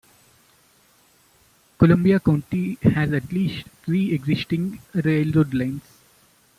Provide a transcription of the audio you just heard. Columbia County has at least three existing railroad lines.